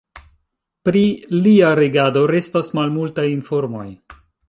Pri lia regado restas malmultaj informoj.